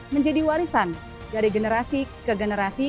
menjadi warisan dari generasi ke generasi